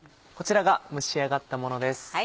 こちらが蒸し上がったものです。